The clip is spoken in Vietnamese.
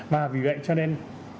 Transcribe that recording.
và vì vậy cho nên